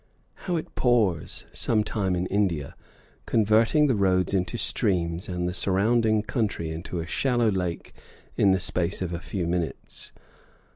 How it pours, sometimes, in India, converting the roads into streams and the surrounding country into a shallow lake in the space of a few minutes.